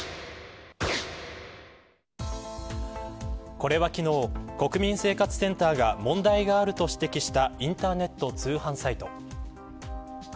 これは昨日国民生活センターが問題があると指摘したインターネット通販サイト。